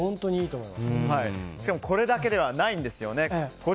しかもこれだけではないんです。